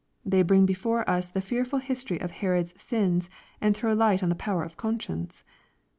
They bring before us the fearful history of Herod's sins, and throw light on the power of conscience.